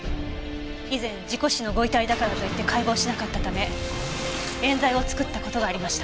以前事故死のご遺体だからといって解剖をしなかったため冤罪を作った事がありました。